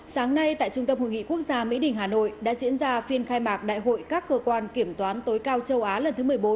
sáng nay tại trung tâm hội nghị quốc gia mỹ đình hà nội đã diễn ra phiên khai mạc đại hội các cơ quan kiểm toán tối cao châu á lần thứ một mươi bốn